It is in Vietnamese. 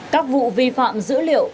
các vụ vi phạm dữ liệu